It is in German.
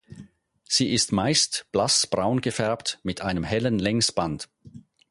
Sie ist meist blass braun gefärbt mit einem hellen Längsband.